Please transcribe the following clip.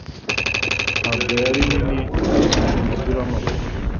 Ntabwo yari nini kuruta umupira wamaguru